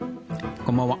こんばんは。